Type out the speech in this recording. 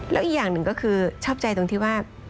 แล้วอีกอย่างหนึ่งก็คือชอบใจตรงที่ว่า